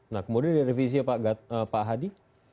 nah kemudian dari visi pak hadi